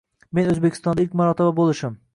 Men O'zbekistonda ilk marotaba bo'lishim.